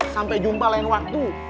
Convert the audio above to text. sampai jumpa lain waktu